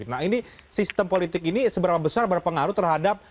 nah ini sistem politik ini seberapa besar berpengaruh terhadap